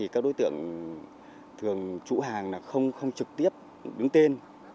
các đối tượng thường chủ hàng không không trực tiếp đứng tên